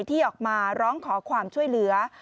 ที่ออกมาร้องขอความช่วยเหลือ